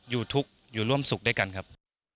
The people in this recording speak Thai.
อยู่ทุกข์อยู่ร่วมสุขด้วยกันครับ